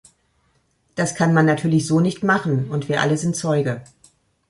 Das kann man natürlich so nicht machen, und wir alle sind Zeuge.